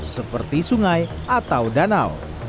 seperti sungai atau danau